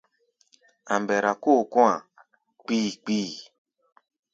A̧ mbɛra kóo kɔ̧́-a̧ kpii-kpii.